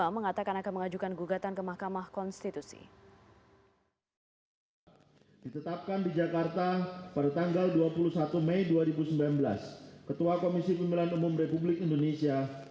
mengatakan akan mengajukan gugatan ke mahkamah konstitusi